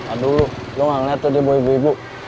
aduh lu lu gak liat tuh dia bawa ibu ibu